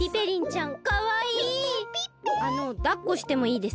あのだっこしてもいいですか？